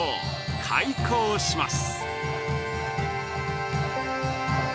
開講します。